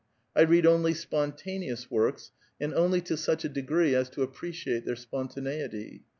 1 read only :spoiitaneous works, and only to such a degree as to appre c^iate their spontaneity."